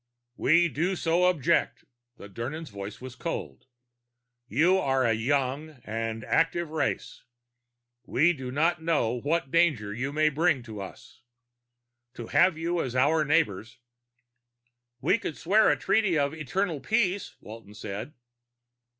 "We do so object." The Dirnan's voice was cold. "You are a young and active race. We do not know what danger you may bring to us. To have you as our neighbors " "We could swear a treaty of eternal peace," Walton said.